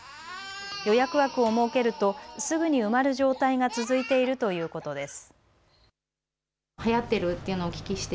予約枠を設けるとすぐに埋まる状態が続いているということです。